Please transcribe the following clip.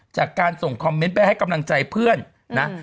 จากการส่งคอมเมนต์ไปให้กำลังใจเพื่อนนะ